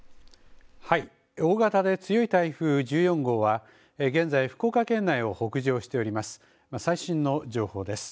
大型で強い台風１４号は、現在、福岡県内を北上しております。